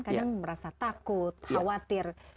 kadang merasa takut khawatir